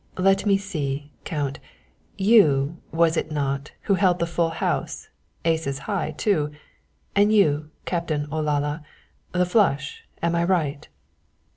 Let me see, Count, you, was it not, who held the full house, aces high too and you, Captain Olalla, the flush am I right?"